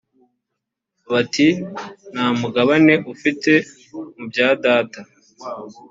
bati “nta mugabane ufite mu bya data”